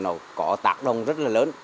nó có tác động rất là lớn